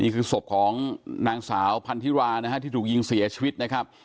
นี่คือสมพวกของนางสาวพันธิวาร้านั้นฮะที่ถูกยิงเสียชีวิตนะครับ